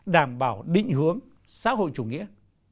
đảm bảo định hướng xã hội chủ nghĩa